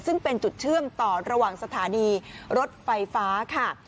ซึ่งเป็นจุดเชื่อมต่อระหว่างสถานีรถไฟฟ้าค่ะ